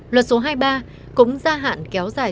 luật số hai mươi ba cũng gia hạn kéo dài